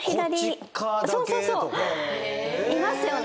いますよね。